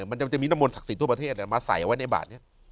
มันจะมีน้ำมนต์ศักดิ์สิทธิ์ทั่วประเทศมาใส่ไว้ในบาดนี้